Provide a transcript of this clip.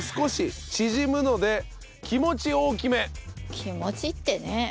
気持ちってね。